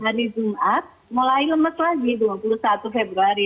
hari jumat mulai lemes lagi dua puluh satu februari